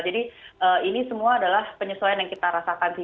jadi ini semua adalah penyesuaian yang kita rasakan sih